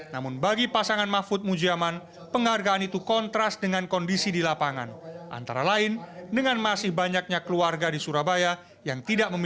namun bagi pasangan mahfud mujiaman penghargaan itu kontrasikat